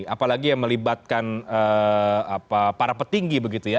apalagi yang melibatkan para petinggi begitu ya